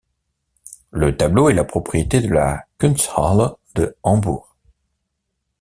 Le tableau est la propriété de la Kunsthalle de Hambourg.